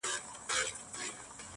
اوس خو پوره تر دوو بـجــو ويــښ يـــم.